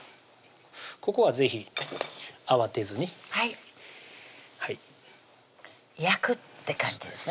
ここは是非慌てずにはい焼くって感じですね